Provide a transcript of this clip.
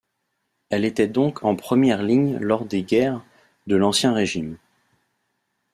Elle était donc en première ligne lors des guerres de l'Ancien Régime.